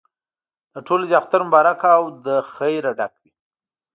د ټولو دې اختر مبارک او له خیره ډک وي.